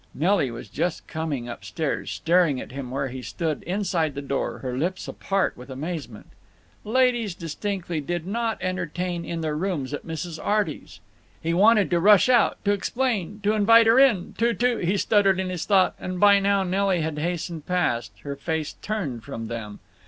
Nelly was just coming up stairs, staring at him where he stood inside the door, her lips apart with amazement. Ladies distinctly did not entertain in their rooms at Mrs. Arty's. He wanted to rush out, to explain, to invite her in, to—to— He stuttered in his thought, and by now Nelly had hastened past, her face turned from them.